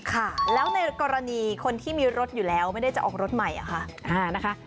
ค่ะแล้วในกรณีคนที่มีรถอยู่แล้วไม่ได้จะออกรถใหม่เหรอคะนะคะ